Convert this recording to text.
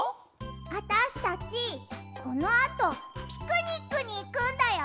あたしたちこのあとピクニックにいくんだよ。